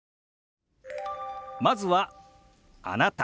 まずは「あなた」。